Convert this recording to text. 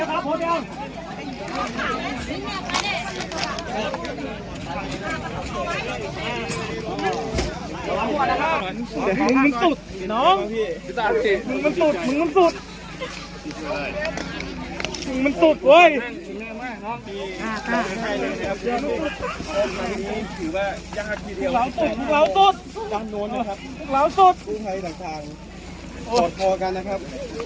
ปลอดภัยนะครับตรงไทยต่างทางสอดพวกกันนะครับ